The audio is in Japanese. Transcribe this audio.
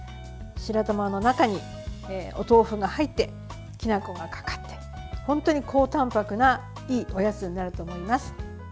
白玉の中にお豆腐が入ってきな粉がかかって本当に高たんぱくないいおやつになると思います。